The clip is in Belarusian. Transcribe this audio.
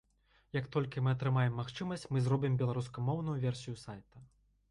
Як толькі мы атрымаем магчымасць, мы зробім беларускамоўную версію сайта.